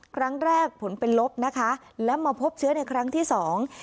ครั้งแรกผลเป็นลบนะคะแล้วมาพบเชื้อในครั้งที่สอง